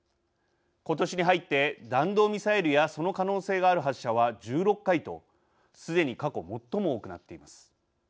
ことしに入って弾道ミサイルやその可能性がある発射は１６回とすでに過去最も多くなっています。